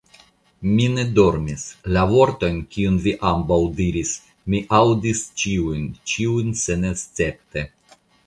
Mi ne dormis; la vortojn, kiujn vi ambaŭ diris, mi aŭdis ĉiujn, ĉiujn senescepte.